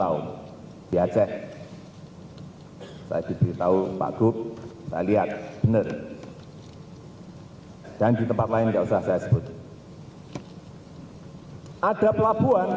ada pelabuhan tidak ada jalan